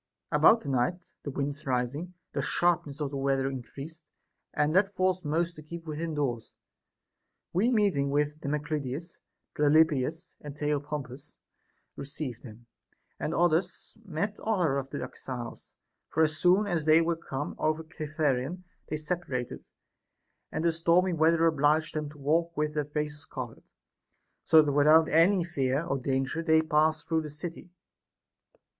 26. About the night, the wind rising, the sharpness of the weather increased, and that forced most to keep within doors ; Ave meeting with Damoclides, Pelopidas, and The opompus received them, and others met other of the exiles ; for as soon as they were come over Cithaeron, they separated, and the stormy weather obliged them to walk with their faces covered, so that without any fear or danger they passed through the city.